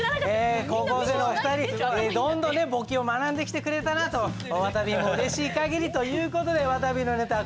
ここでも２人どんどんねボケを学んできてくれたなとわたびもうれしいかぎりという事でわたびのネタ